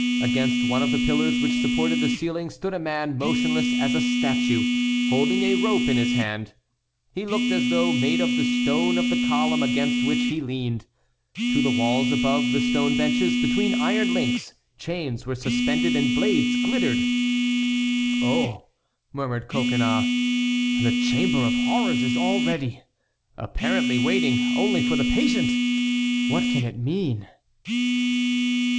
Against one of the pillars which supported the ceiling stood a man motionless as a statue, holding a rope in his hand. He looked as though made of the stone of the column against which he leaned. To the walls above the stone benches, between iron links, chains were suspended and blades glittered. "Oh!" murmured Coconnas, "the chamber of horrors is all ready, apparently waiting only for the patient! What can it mean?"